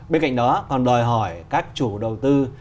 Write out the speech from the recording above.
bên cạnh đó còn đòi hỏi các chủ đầu tư